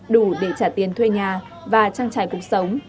đủ để trả tiền thuê nhà và trang trải cuộc sống